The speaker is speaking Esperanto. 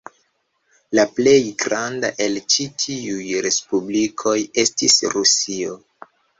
La plej granda el ĉi tiuj respublikoj estis Rusio.